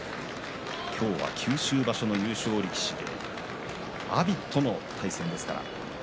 今日は九州場所の優勝力士阿炎との対戦です。